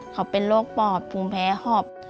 เขาเป็นโรคปอดภูมิแพ้หอบ